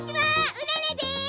うららです！